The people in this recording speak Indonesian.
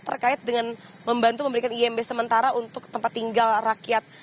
terkait dengan membantu memberikan imb sementara untuk tempat tinggal rakyat